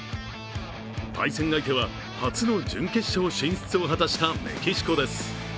対戦相手は初の準決勝進出を果たしたメキシコです。